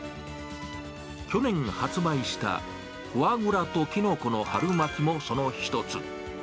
去年発売した、フォアグラときのこの春巻もその一つ。